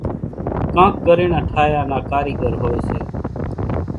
ڪانڪ ڳريڻان ٺاۿيا نا ڪاريڳر هوئيَ سي۔